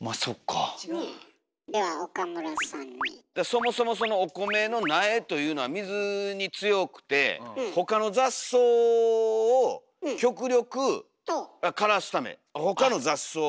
そもそもお米の苗というのは水に強くてほかの雑草を極力枯らすため。